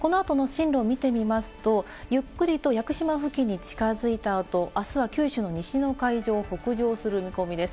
この後の進路を見てみますと、ゆっくりと屋久島付近に近づいた後、あすは九州の西の海上を北上する見込みです。